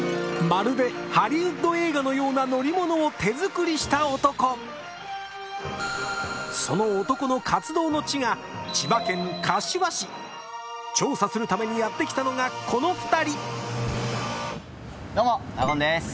まるでハリウッド映画のような乗り物を手作りした男その男の活動の地が千葉県柏市調査するためにやって来たのがこの２人どうも納言です